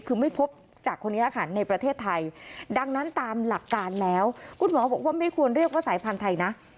คือไม่พบจากคนนี้ค่ะในประเทศไทยดังนั้นตามหลักการแล้วคุณหมอบอกว่าไม่ควรเรียกว่าสายพันธุ์ไทยนะ